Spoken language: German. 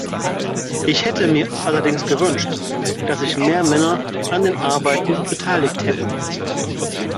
Ich hätte mir allerdings gewünscht, dass sich mehr Männer an den Arbeiten beteiligt hätten.